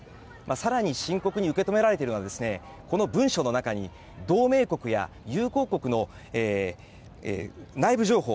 更に深刻に受け止められているのはこの文書の中に同盟国や友好国の内部情報。